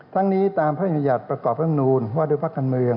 ทั้งนี้ตามพระธุมัยัดประกอบแล้วนูญว่าเดือดพระกันเมือง